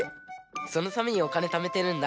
そのためにおかねためてるんだ。